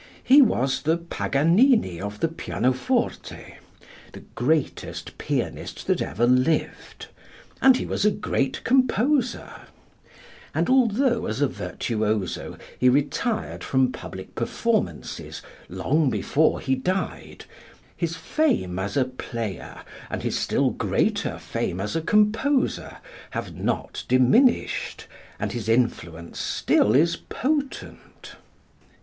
He was the Paganini of the pianoforte, the greatest pianist that ever lived, and he was a great composer; and although, as a virtuoso, he retired from public performances long before he died, his fame as a player and his still greater fame as a composer have not diminished and his influence still is potent.